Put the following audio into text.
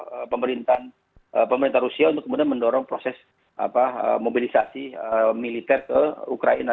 karena sebenarnya ini memakin mendorong pemerintahan rusia untuk kemudian mendorong proses mobilisasi militer ke ukraina